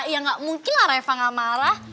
ya enggak mungkin lah reva enggak marah